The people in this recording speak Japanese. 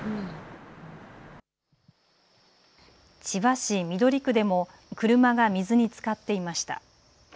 千葉市緑区でも車が水につかっていました。